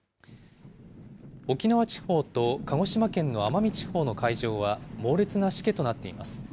沖縄地方と鹿児島県の奄美地方の海上は、猛烈なしけとなっています。